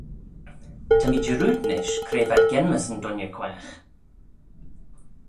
Ta mee jarrood nish cre v'ad genmys yn dooinney quaagh.